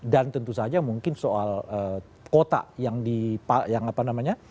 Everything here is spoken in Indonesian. dan tentu saja mungkin soal kota yang di yang apa namanya